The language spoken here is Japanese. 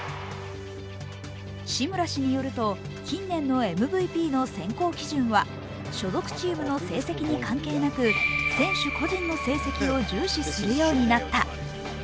志村氏によると近年のＭＶＰの選考基準は所属チームの成績に関係なく、選手個人の成績を重視するようになった。